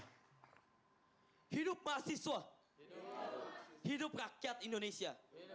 hidup mahasiswa hidup rakyat indonesia